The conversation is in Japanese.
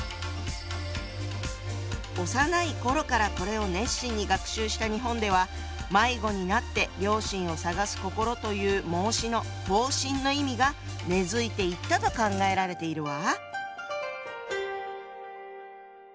幼い頃からこれを熱心に学習した日本では「迷子になって良心を探す心」という孟子の「放心」の意味が根づいていったと考えられているわ！